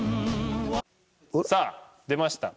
さあ出ました。